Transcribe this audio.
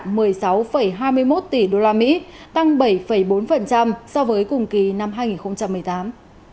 tổng vốn đăng ký cấp mới đạt một mươi hai hai mươi một tỷ usd tăng bảy bốn so với cùng kỳ năm hai nghìn một mươi tám